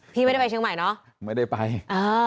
พี่ไม่ได้ไปเชียงใหม่เนอะไม่ได้ไปอ่า